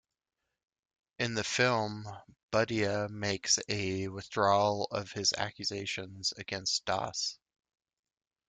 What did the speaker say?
In the film, Budhia makes a withdrawal of his accusations against Das.